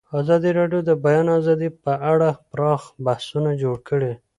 ازادي راډیو د د بیان آزادي په اړه پراخ بحثونه جوړ کړي.